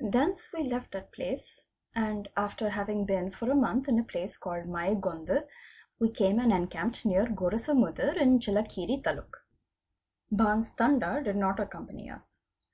Thence we left_ that place, and after having been for a month in a place called Mayigond, we came and encamped near Gorasamuddar in Chellakere Taluk. Bhann' Tanda did not accompany us.